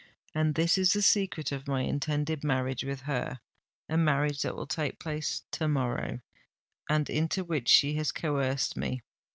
And this is the secret of my intended marriage with her—a marriage that will take place to morrow, and into which she has coerced me!